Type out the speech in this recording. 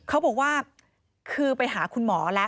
เขาบอกว่าคือไปหาคุณหมอแล้ว